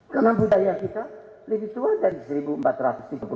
karena budaya kita lebih tua dari seribu empat ratus tiga puluh delapan tahun